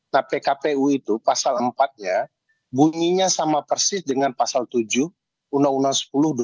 nah pkpu itu pasal empat ya bunyinya sama persis dengan pasal tujuh undang undang sepuluh dua ribu